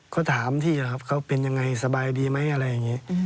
ก็ถามพี่นะครับเขาเป็นยังไงสบายดีไหมอะไรอย่างนี้